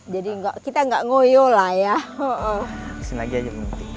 jadi kita tidak ngoyo lah ya